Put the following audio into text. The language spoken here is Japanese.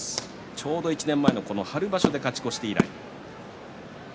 ちょうど１年前の、この春場所で勝ち越して以来。